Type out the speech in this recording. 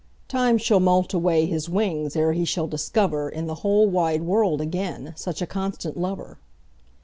Time shall moult away his wingsEre he shall discoverIn the whole wide world againSuch a constant lover.